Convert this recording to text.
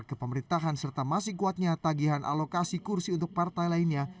kepemerintahan serta masih kuatnya tagihan alokasi kursi untuk partai lainnya